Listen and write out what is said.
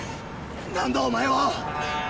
何だお前は！？